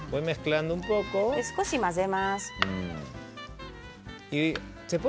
少し混ぜます。